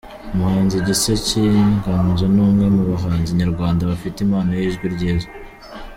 Umuhanzi Gisa cy'Inganzo ni umwe mu bahanzi nyarwanda bafite impano y'ijwi ryiza.